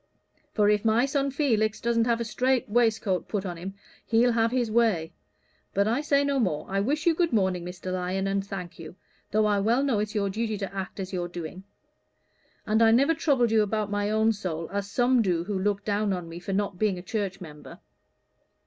For if my son Felix doesn't have a strait waistcoat put on him, he'll have his way. But I say no more. I wish you good morning, Mr. Lyon, and thank you, though I well know it's your duty to act as you're doing. And I never troubled you about my own soul, as some do who look down on me for not being a church member."